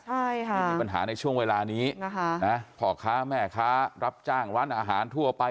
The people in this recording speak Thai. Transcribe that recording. ใช่ค่ะมีปัญหาในช่วงเวลานี้พ่อค้าแม่ค้ารับจ้างวันอาหารทั่วไป